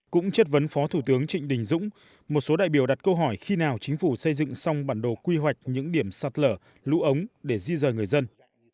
cũng chất vấn phó thủ tướng trịnh đình dũng một số đại biểu đặt câu hỏi khi nào chính phủ xây dựng xong bản đồ quy hoạch những điểm sạt lở lũ ống để di dời người dân